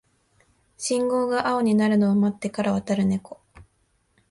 信号が青になるのを待ってから渡るネコ